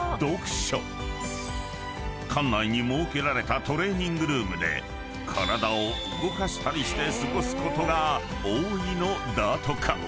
［艦内に設けられたトレーニングルームで体を動かしたりして過ごすことが多いのだとか］